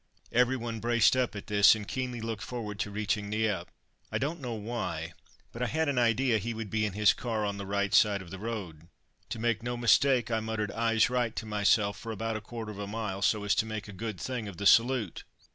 Every one braced up at this, and keenly looked forward to reaching Nieppe. I don't know why, but I had an idea he would be in his car on the right of the road. To make no mistake I muttered "Eyes right" to myself for about a quarter of a mile, so as to make a good thing of the salute.